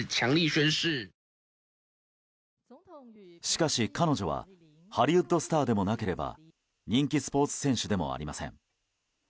しかし、彼女はハリウッドスターでもなければ人気スポーツ選手でもありません。